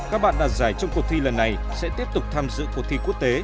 các bạn đạt giải trong cuộc thi lần này sẽ tiếp tục tham dự cuộc thi quốc tế